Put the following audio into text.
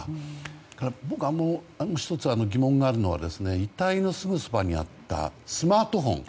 それから僕、１つ疑問があるのは遺体のすぐそばにあったスマートフォン。